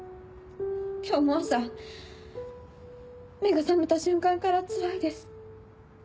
今日も朝目が覚めた瞬間からつらいです。